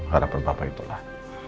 harapan papa itulah